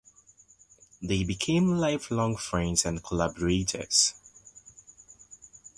They became lifelong friends and collaborators.